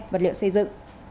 vật liệu xây dựng